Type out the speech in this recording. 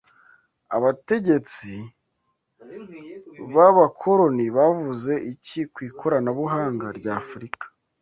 Abategetsi b'abakoloni bavuze iki ku ikoranabuhanga rya Afurika